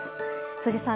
辻さん